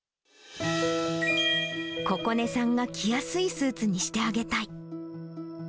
ここねさんが着やすいスーツにしてあげたい。